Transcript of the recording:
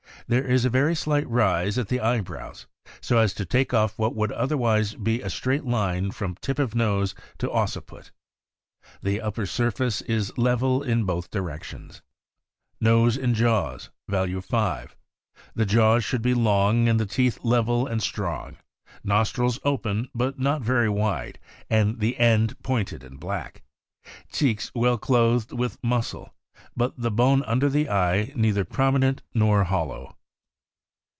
There is a very slight rise at the eyebrows, so as to take off what would otherwise be a straight line from tip of nose to occiput. The upper sur face is level in both directions. 174 THE AMERICAN BOOK OF THE DOG. Nose and jaws (value 5). — The jaws should be long, and the teeth level and strong. Nostrils open, but not very wide, and the end pointed and black; cheeks well clothed with muscle, but the bone under the eye neither prominent nor hollow.